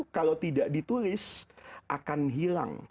kalau tidak ditulis akan hilang